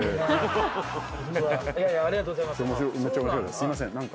すいません何か。